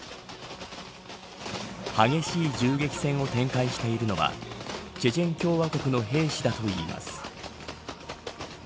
激しい銃撃戦を展開しているのはチェチェン共和国の兵士だといいます。